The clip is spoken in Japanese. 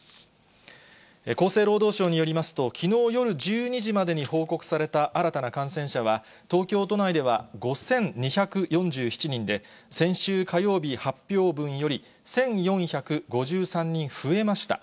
厚生労働省によりますと、きのう夜１２時までに報告された新たな感染者は、東京都内では５２４７人で、先週火曜日発表分より１４５３人増えました。